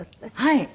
はい。